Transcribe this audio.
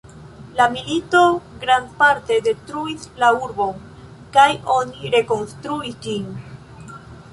La milito grandparte detruis la urbon, kaj oni rekonstruis ĝin.